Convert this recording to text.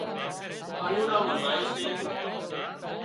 ڪانوڙا مان زائي سي